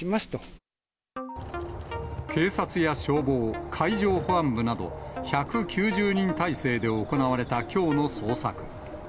警察や消防、海上保安部など、１９０人態勢で行われたきょうの捜索。